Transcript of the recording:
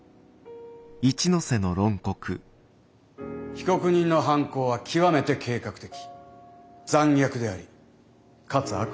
被告人の犯行は極めて計画的残虐でありかつ悪質です。